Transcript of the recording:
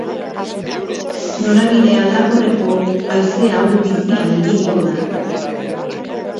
Norabide aldakorreko haize ahul-bizia ibiliko da.